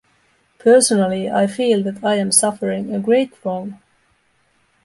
Personally, I feel that I am suffering a great wrong.